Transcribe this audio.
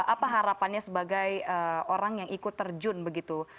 apa harapannya sebagai orang yang ikut terjun begitu